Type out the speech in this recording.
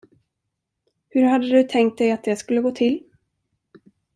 Hur hade du tänkt dig att det skulle gå till?